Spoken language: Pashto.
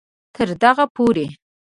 تر دغه پورې